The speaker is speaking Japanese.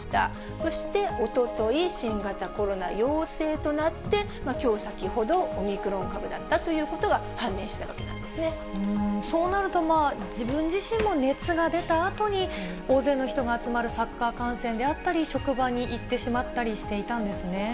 そしておととい、新型コロナ陽性となって、きょう、先ほど、オミクロン株だったといそうなるとまあ、自分自身も熱が出たあとに、大勢の人が集まるサッカー観戦であったり、職場に行ってしまったりしていたんですね。